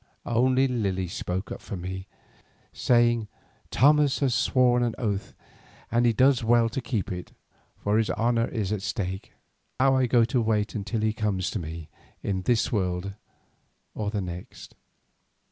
Only Lily spoke up for me, saying "Thomas has sworn an oath and he does well to keep it, for his honour is at stake. Now I go to wait until he comes to me in this world or the next."